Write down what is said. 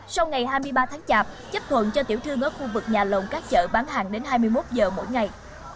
sau ngày hai mươi ba tháng chạp chấp thuận cho tiểu thương ở khu vực nhà lồng các chợ bán hàng đến hai mươi một giờ mỗi ngày